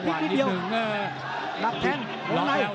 พี่จังหวานนิดนึง